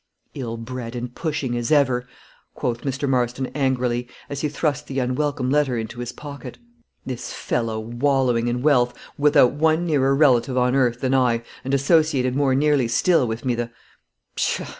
"Ill bred and pushing as ever," quoth Mr. Marston, angrily, as he thrust the unwelcome letter into his pocket. "This fellow, wallowing in wealth, without one nearer relative on earth than I, and associated more nearly still with me the pshaw!